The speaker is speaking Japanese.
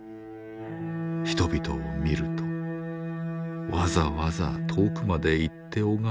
人々を見るとわざわざ遠くまで行って拝み語った。